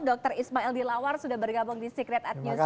dokter ismail dilawar sudah bergabung di secret at newsroom